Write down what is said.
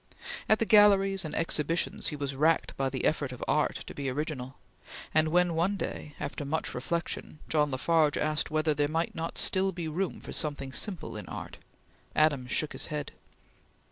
At the galleries and exhibitions, he was racked by the effort of art to be original, and when one day, after much reflection, John La Farge asked whether there might not still be room for something simple in art, Adams shook his head.